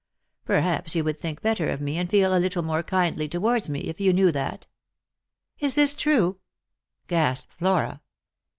Perhaps you would think better of me, and feel a little more kindly towards me, if you knew that." " Is this true P" gasped Flora.